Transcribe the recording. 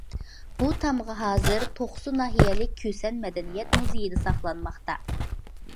بۇ تامغا ھازىر توقسۇ ناھىيەلىك كۈسەن مەدەنىيەت مۇزېيىدا ساقلانماقتا.